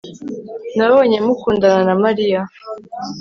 Nabonye mukundana na Mariya